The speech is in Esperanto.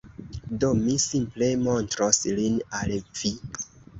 Do, mi simple montros lin al vi